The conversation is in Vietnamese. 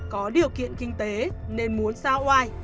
có điều kiện kinh tế nên muốn sao oai